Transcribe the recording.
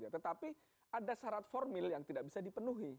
tetapi ada syarat formil yang tidak bisa dipenuhi